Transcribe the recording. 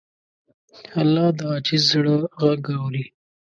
الله د عاجز زړه غږ اوري.